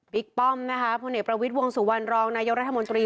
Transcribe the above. บิ๊กป้อมพลวงสุวรรณรองค์นายกรรภมนตรี